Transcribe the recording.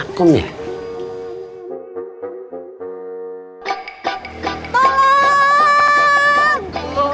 ini kenapa kesas peraduan